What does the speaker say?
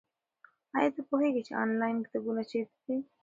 ایا ته پوهېږې چې انلاین کتابتونونه چیرته دي؟